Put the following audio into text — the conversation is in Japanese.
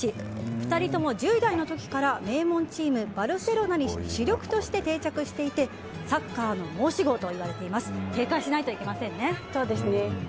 ２人とも１０代の時から名門チーム、バルセロナに主力として定着していてサッカーの申し子といわれています。